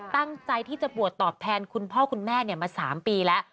ตั้งใจที่จะบวชตอบแทนคุณพ่อคุณแม่มา๓ปีแล้ว